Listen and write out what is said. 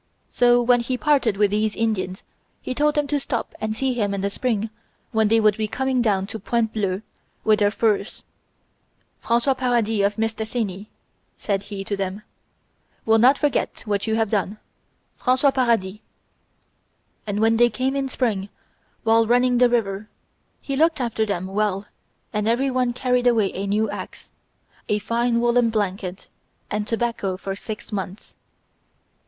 So when he parted with these Indians he told them to stop and see him in the spring when they would be coming down to Pointe Bleue with their furs François Paradis of Mistassini,' said he to them, will not forget what you have done ... François Paradis.' And when they came in spring while running the river he looked after them well and every one carried away a new ax, a fine woollen blanket and tobacco for six months.